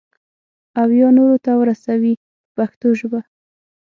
او یا نورو ته ورسوي په پښتو ژبه.